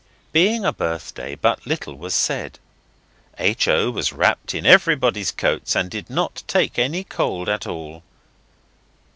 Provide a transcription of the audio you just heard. Being a birthday, but little was said. H. O. was wrapped in everybody's coats, and did not take any cold at all.